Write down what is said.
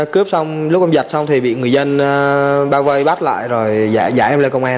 cướp xong lúc em giật xong thì bị người dân bao vây bắt lại rồi giải em lên công an